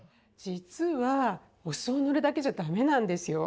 実はお酢を塗るだけじゃダメなんですよ。